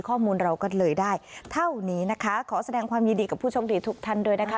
ข้อมูลเราก็เลยได้เท่านี้นะคะขอแสดงความยินดีกับผู้โชคดีทุกท่านด้วยนะคะ